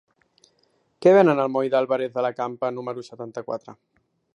Què venen al moll d'Álvarez de la Campa número setanta-quatre?